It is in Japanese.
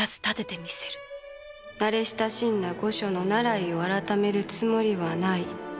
慣れ親しんだ御所の習いを改めるつもりはない。